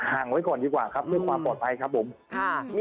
ห่างไว้ก่อนดีกว่าครับเพื่อความปลอดภัยครับผม